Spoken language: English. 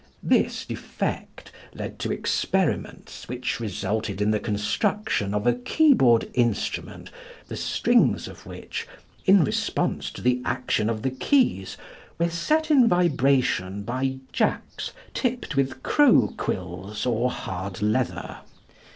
This defect led to experiments which resulted in the construction of a keyboard instrument the strings of which, in response to the action of the keys, were set in vibration by jacks tipped with crow quills or hard leather.